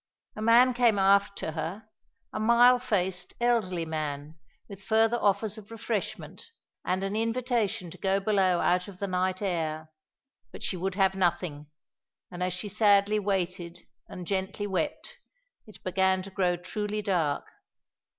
A man came aft to her; a mild faced, elderly man, with further offers of refreshment and an invitation to go below out of the night air. But she would have nothing; and as she sadly waited and gently wept, it began to grow truly dark.